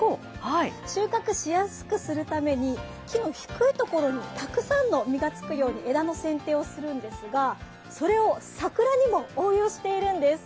収穫しやすくするために木の低いところにたくさんの実がつくように枝のせんていをするんですが、それを桜にも応用しているんです。